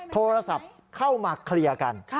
โทรศัพท์เข้ามาเคลียร์กัน